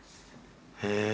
へえ！